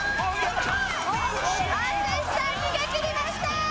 淳さん逃げ切りました！